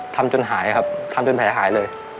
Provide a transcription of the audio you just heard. ทำจนหายครับทำจนแผลหายเลย